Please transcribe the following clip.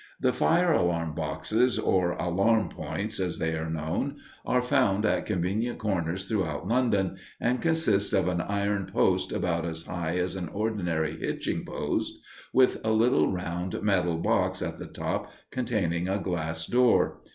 The fire alarm boxes, or "alarm points," as they are known, are found at convenient corners throughout London, and consist of an iron post about as high as an ordinary hitching post, with a little round metal box at the top containing a glass door.